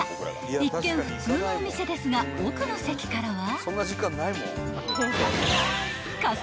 ［一見普通のお店ですが奥の席からは］